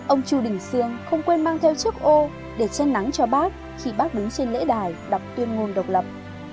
ông chu đình sương không quên mang theo chiếc ô để chen nắng cho bác khi bác đứng trên lễ đài đọc tuyên ngôn độc lập